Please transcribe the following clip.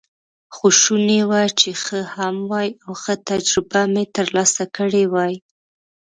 خو شوني وه چې ښه هم وای، او ښه تجربه مې ترلاسه کړې وای.